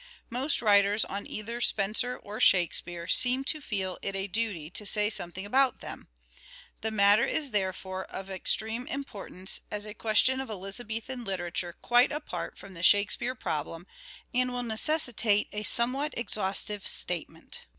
Most writers on either Spenser or Shakespeare seem to feel it a duty to say something about them. The matter is therefore of extreme importance as a question MANHOOD OF DE VERB : MIDDLE PERIOD 339 of Elizabethan literature quite apart from the Shake speare problem, and will necessitate a somewhat exhaustive statement.